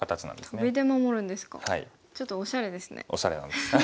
ちょっとおしゃれですね。